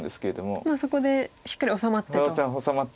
もうそこでしっかり治まってと。